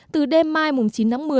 từ đêm mai chín tháng một mươi